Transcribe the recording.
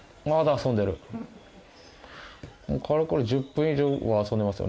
かれこれ１０分以上は遊んでますよね。